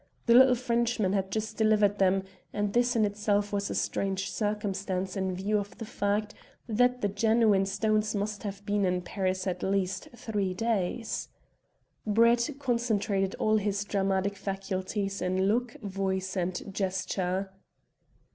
The little Frenchman had just delivered them, and this in itself was a strange circumstance in view of the fact that the genuine stones must have been in Paris at least three days. Brett concentrated all his dramatic faculties in look, voice, and gesture.